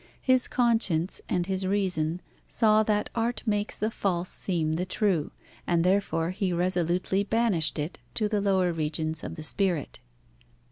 His conscience and his reason saw that art makes the false seem the true, and therefore he resolutely banished it to the lower regions of the spirit.